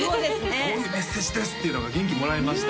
こういうメッセージですっていうのが元気もらいました